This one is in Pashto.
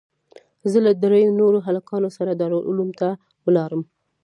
زه له درېو نورو هلکانو سره دارالعلوم ته ولاړم.